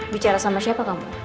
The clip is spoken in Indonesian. bicara sama siapa kamu